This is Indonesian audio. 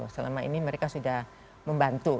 selama ini mereka sudah membantu